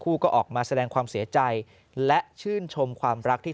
ก็ออกมาแสดงความเสียใจและชื่นชมความรักที่